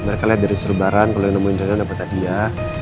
mereka lihat dari serbaran kalau yang nemuin jalan dapat hadiah